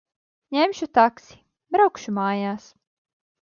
Ņemšu taksi. Braukšu mājās.